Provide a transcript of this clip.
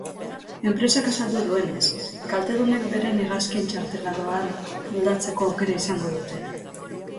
Enpresak azaldu duenez, kaltedunek beren hegazkin-txartela doan aldatzeko aukera izango dute.